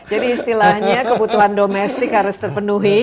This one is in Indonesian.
jadi istilahnya kebutuhan domestik harus terpenuhi